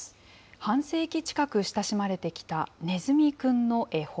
半世紀近く親しまれてきたねずみくんの絵本。